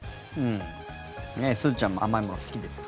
すずちゃんも甘いもの好きですか？